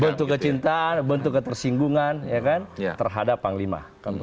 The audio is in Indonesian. bentuk kecintaan bentuk ketersinggungan terhadap panglima